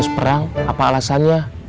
perang apa alasannya